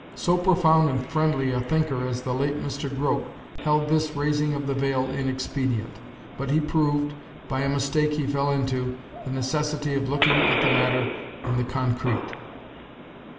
'" So profound and friendly a thinker as the late Mr. Grote held this raising of the veil inexpedient, but he proved, by a mistake he fell into, the necessity of looking at the matter in the concrete.